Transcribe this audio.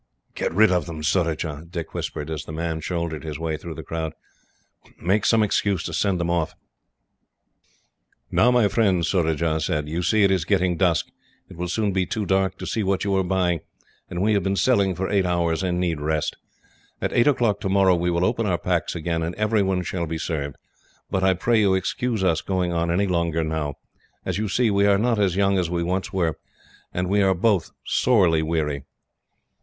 "Get rid of them, Surajah," Dick whispered, as the man shouldered his way through the crowd. "Make some excuse to send them off." "Now, my friends," Surajah said, "you see it is getting dusk. It will soon be too dark to see what you are buying, and we have been selling for eight hours, and need rest. At eight o'clock tomorrow we will open our packs again, and everyone shall be served; but I pray you excuse us going on any longer now. As you see, we are not as young as we once were, and are both sorely weary."